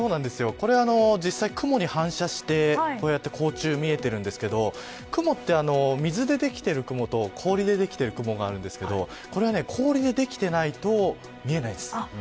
そうなんです、これ実際雲に反射して光柱が見えているんですが雲って水でできている雲と氷でできている雲があるんですけどこれは氷でできていないと見えないです。